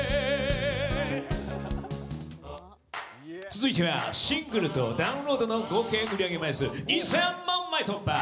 続いてはシングルとダウンロードの合計売り上げ枚数２０００万枚突破。